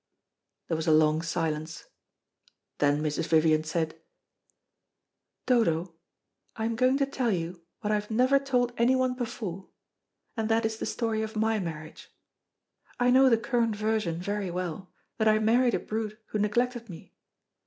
There was a long silence. Then Mrs. Vivian said, "Dodo, I am going to tell you what I have never told anyone before, and that is the story of my marriage. I know the current version very well, that I married a brute who neglected me.